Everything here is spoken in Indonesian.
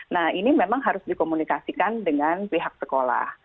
nah ini memang harus dikomunikasikan dengan pihak sekolah